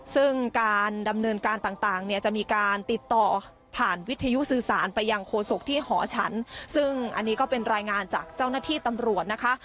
ซึ่งการดำเนินการต่างเนี่ยจะมีการติดต่อผ่านวิทยุสื่อสารไปยังโฆษกที่หอฉันซึ่งอันนี้ก็เป็นรายงานจากเจ้าหน้าที่ตำรวจนะคะ